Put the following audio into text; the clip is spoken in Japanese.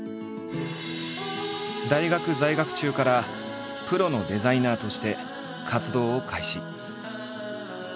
大学在学中からプロのデザイナーとして活動を開始。